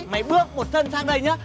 mày bước một thân sang đây nhá